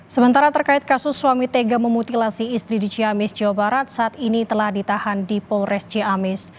sementara terkait kasus suami tega memutilasi istri di ciamis jawa barat saat ini telah ditahan di polres ciamis